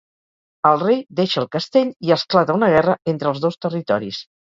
El rei deixa el castell i esclata una guerra entre els dos territoris.